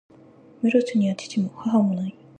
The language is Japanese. メロスには父も、母も無い。